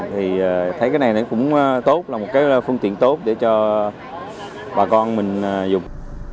thì thấy cái này nó cũng tốt là một cái phương tiện tốt để cho bà con mình dùng